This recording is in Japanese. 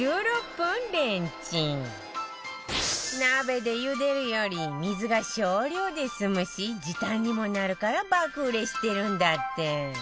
鍋で茹でるより水が少量で済むし時短にもなるから爆売れしてるんだって